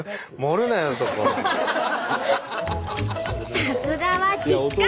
さすがは実家！